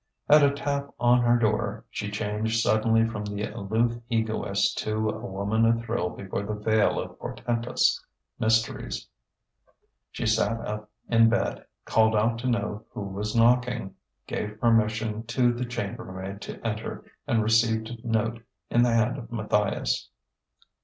At a tap on her door she changed suddenly from the aloof egoist to a woman athrill before the veil of portentous mysteries. She sat up in bed, called out to know who was knocking, gave permission to the chambermaid to enter, and received a note in the hand of Matthias.